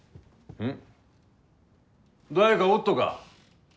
うん？